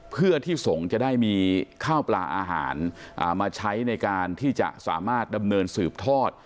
เพื่อที่สงฆ์จะได้มีข้าวปลาอาหารมาใช้ในการที่จะสามารถดำเนินสืบทอด